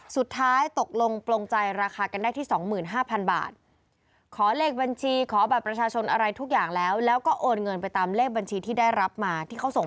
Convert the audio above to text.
สุดท้ายตกลงปลงใจราคากันได้ที่๒๕๐๐๐บาท